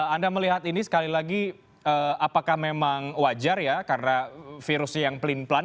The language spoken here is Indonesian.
anda melihat ini sekali lagi apakah memang wajar ya karena virusnya yang pelin pelan